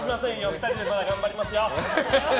２人でまだ頑張りますよ！